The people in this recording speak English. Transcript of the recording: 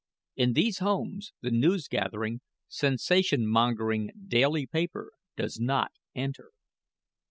In these homes the news gathering, sensation mongering daily paper does not enter.